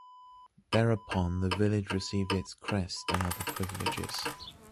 Thereupon the village received its crest and other privileges.